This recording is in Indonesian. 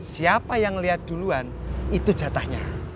siapa yang melihat duluan itu jatahnya